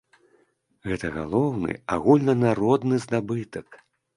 Гэта галоўны агульнанародны здабытак.